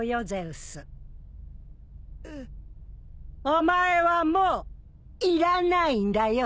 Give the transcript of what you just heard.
お前はもういらないんだよ。